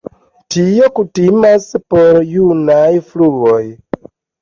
Tio kutimas por junaj fluoj.